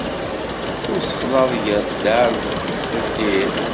Ur ssexlaḍ gar dare ed dear.